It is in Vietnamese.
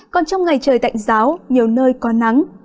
còn trong ngày trời tạnh giáo nhiều nơi có nắng